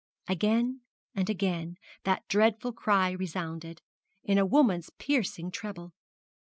Again and again that dreadful cry resounded, in a woman's piercing treble.